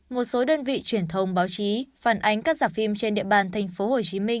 một số đơn vị truyền thông báo chí phản ánh các giả phim trên địa bàn tp hcm